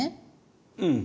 うん。